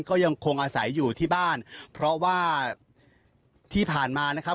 ก็ยังคงอาศัยอยู่ที่บ้านเพราะว่าที่ผ่านมานะครับ